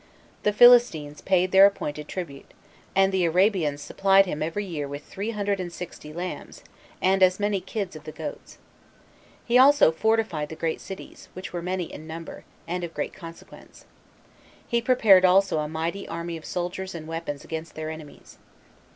The Philistines paid their appointed tribute, and the Arabians supplied him every year with three hundred and sixty lambs, and as many kids of the goats. He also fortified the great cities, which were many in number, and of great consequence. He prepared also a mighty army of soldiers and weapons against their enemies.